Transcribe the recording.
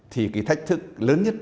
thì cái thách thức lớn nhất